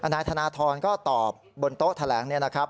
นายธนาธรรมก็ตอบบนโต๊ะแถลงนะครับ